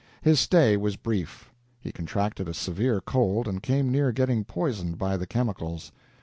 His stay was brief. He contracted a severe cold and came near getting poisoned by the chemicals.